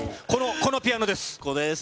このピアノです。